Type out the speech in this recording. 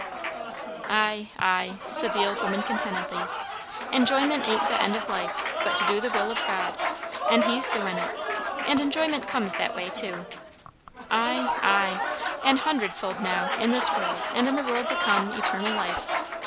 "Ay, ay," said the old woman contentedly; "enjoyment ain't the end of life, but to do the will of God; and he's doin' it. And enjoyment comes that way, too; ay, ay! 'an hundred fold now, in this world, and in the world to come eternal life.'